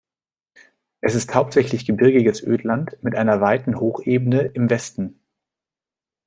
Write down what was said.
Es ist hauptsächlich gebirgiges Ödland, mit einer weiten Hochebene im Westen.